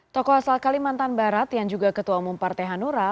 tokoh asal kalimantan barat yang juga ketua umum partai hanura